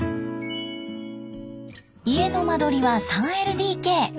家の間取りは３ＬＤＫ。